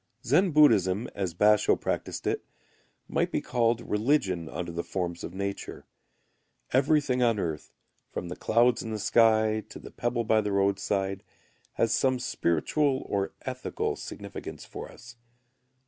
Zen Buddhism, as Basho[u] practised it, may be called religion under the forms of nature. Everything on earth, from the clouds in the sky to the pebble by the roadside, has some spiritual or ethical significance for us.